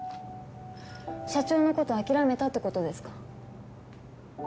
社長の事諦めたって事ですか？